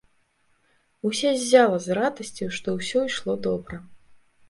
Уся ззяла з радасці, што ўсё ішло добра.